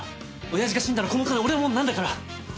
親父が死んだらこの金俺のものになるんだから。